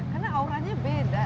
karena auranya beda